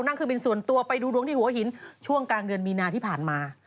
นั่งเครื่องบินส่วนตัวไปดูดวงที่หัวหินช่วงกลางเดือนมีนาที่ผ่านมา